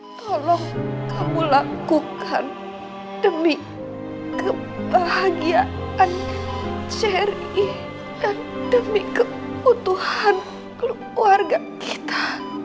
tolong kamu lakukan demi kebahagiaan seri demi kebutuhan keluarga kita